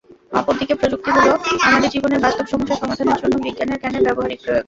অপরদিকে প্রযুক্তি হলো আমাদের জীবনের বাস্তব সমস্যা সমাধানের জন্য বিজ্ঞানের জ্ঞানের ব্যবহারিক প্রয়োগ।